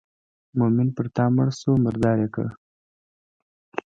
مومن پر تا مړ شو مردار یې کړ.